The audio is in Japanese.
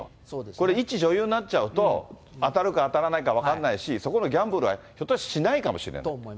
これ、一女優になっちゃうと、当たるか当たらないか分かんないし、そこのギャンブルはひょっとしたらしないかもしれない。